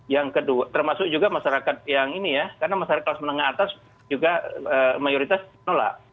yang kedua termasuk juga masyarakat yang ini ya karena masyarakat kelas menengah atas juga mayoritas menolak